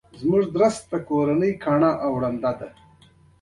زه غواړم یو کتاب ولیکم.